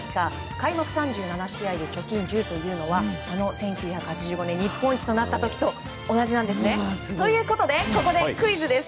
開幕３７試合で貯金１０というのはあの１９８５年日本一となった時と同じなんです。ということでここでクイズです。